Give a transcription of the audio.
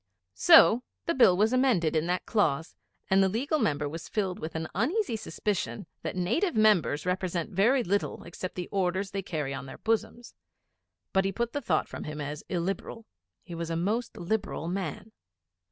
So the Bill was amended in that clause; and the Legal Member was filled with an uneasy suspicion that Native Members represent very little except the Orders they carry on their bosoms. But he put the thought from him as illiberal. He was a most liberal man.